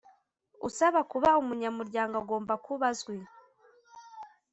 usaba kuba umunyamuryango agomba kuba azwi